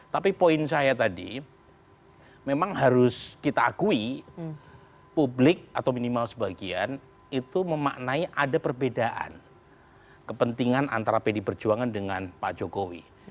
tapi poin saya tadi memang harus kita akui publik atau minimal sebagian itu memaknai ada perbedaan kepentingan antara pdi perjuangan dengan pak jokowi